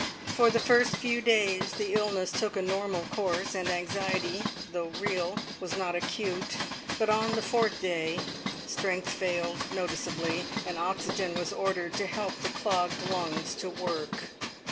For the first few days the illness took a normal course, and anxiety, though real, was not acute; but on the fourth day strength failed noticeably, and oxygen was ordered to help the clogged lungs to work.